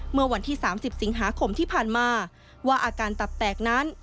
เมื่อวันที่๓๐สิงหาคมที่ผ่านมาว่าอาการตับแตกนั้น